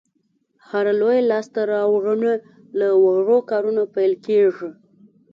هره لویه لاسته راوړنه له وړو کارونو پیل کېږي.